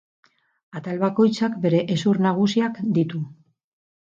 Atal bakoitzak bere hezur nagusiak ditu.